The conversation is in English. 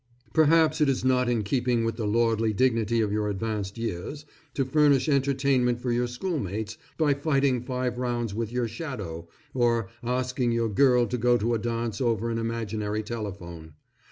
Perhaps it is not in keeping with the lordly dignity of your advanced years, to furnish entertainment for your schoolmates by fighting five rounds with your shadow, or asking your girl to go to a dance over an imaginary telephone.